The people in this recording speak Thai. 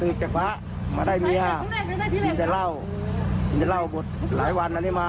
ขั้นแรกเขาก็วัดเป็นพระมา